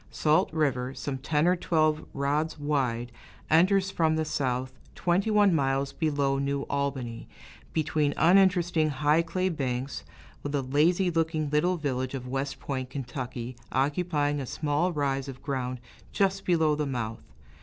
Salt River, some ten or twelve rods wide, enters from the south twenty one miles below New Albany, between uninteresting high clay banks, with the lazy looking little village of West Point, Ky., occupying a small rise of ground just below the mouth.